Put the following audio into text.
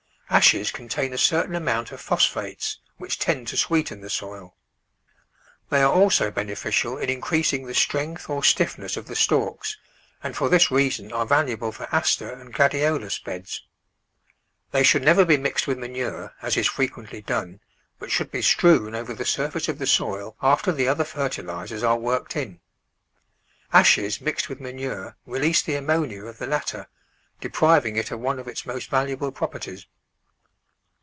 Ashes contain a certain amount of phosphates, which tend to sweeten the soil. They are also bene ficial in increasing the strength or stiffness of the stalks, and for this reason are valuable for Aster and Gladiolus beds; they should never be mixed with manure, as is frequently done, but should be strewn over the surface of the soil after the other fertilisers are worked in. Ashes mixed with manure release the ammonia of the latter, depriving it of one of its most valuable properties.